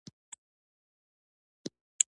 دواړو بلاکونو تر منځ لوړ او ځوړ احاطه ده.